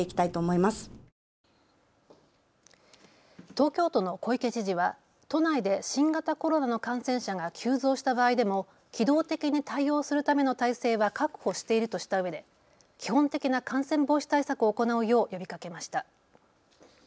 東京都の小池知事は都内で新型コロナの感染者が急増した場合でも機動的に対応するための体制は確保しているとしたうえで基本的な感染防止対策を行うよう呼びかけました。